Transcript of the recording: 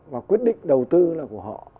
và quyết định đầu tư là của họ